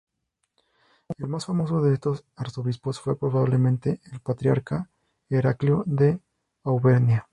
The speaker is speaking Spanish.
El más famoso de estos arzobispos fue, probablemente, el patriarca Heraclio de Auvernia.